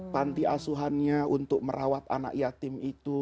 panti asuhannya untuk merawat anak yatim itu